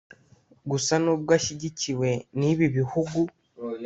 Gusa nubwo ashyigikiwe n’ibi bihugu